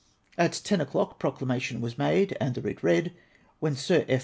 At ten o'clock pro clamation was made and the writ read, when Sir F.